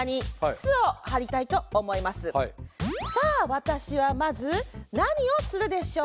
さあ私はまず何をするでしょうか？